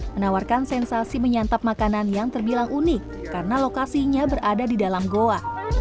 menawarkan sensasi menyantap makanan yang terbilang unik karena lokasinya berada di dalam goa